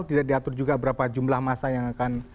tidak diatur juga berapa jumlah masa yang akan